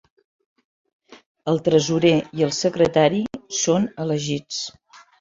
El tresorer i el secretari són elegits.